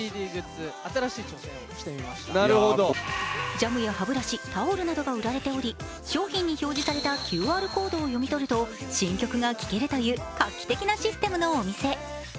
ジャムや歯ブラシ、タオルなどが売られており、商品に表示されたＱＲコードを読み取ると新曲が聴けるという画期的なシステムのお店。